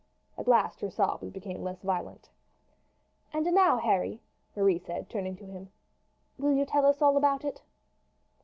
At last her sobs became less violent. "And now, Harry," Marie said, turning to him, "will you tell us all about it?"